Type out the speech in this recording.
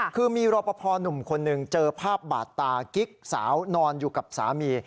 คือมีรอปภหนุ่มคนหนึ่งเจอภาพบาดตากิ๊กสาวนอนอยู่กับสามี